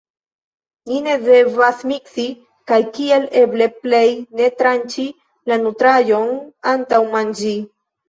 Ni ne devas miksi, kaj kiel eble plej ne tranĉi la nutraĵon antaŭ manĝi.